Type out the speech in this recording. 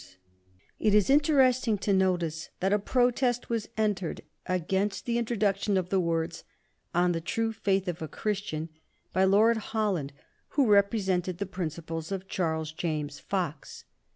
[Sidenote: 1828 The Catholic Association] It is interesting to notice that a protest was entered against the introduction of the words "on the true faith of a Christian" by Lord Holland, who represented the principles of Charles James Fox.